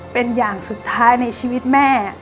เป็นอย่างสุดท้ายในชีวิตแม่